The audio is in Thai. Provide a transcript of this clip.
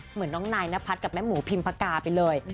เหมือนน้องนายนพัฒน์กับแม่หมูพิมพกาไปเลย